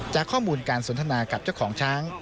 จากข้อมูลการสนทนากับเจ้าของช้าง